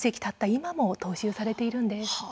今も踏襲されています。